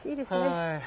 はい。